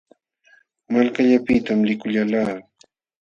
Malkallaapitam likullalqaa.